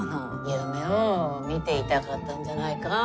夢をみていたかったんじゃないか。